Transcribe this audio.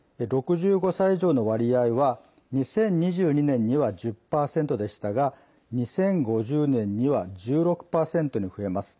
６５歳以上の割合は２０２２年には１０％でしたが２０５０年には１６％に増えます。